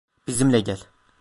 Bizimle gel.